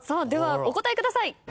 ではお答えください。